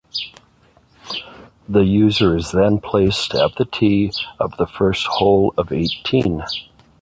The user is then placed at the tee of the first hole of eighteen.